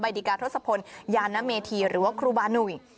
ดิกาทศพลยานเมธีหรือว่าครูบาหนุ่ย